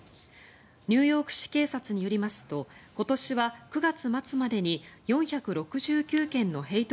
ニューヨーク市警察によりますと今年は９月末までに４６９件のヘイト